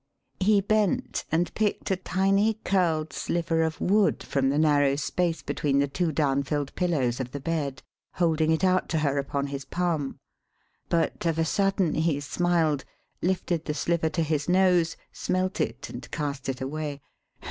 He bent and picked a tiny curled sliver of wood from the narrow space between the two down filled pillows of the bed, holding it out to her upon his palm. But, of a sudden, he smiled, lifted the sliver to his nose, smelt it, and cast it away.